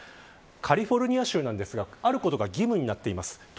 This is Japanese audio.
カリフォルニア州ですがあることが義務になっています。